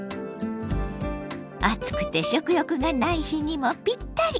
暑くて食欲がない日にもぴったり！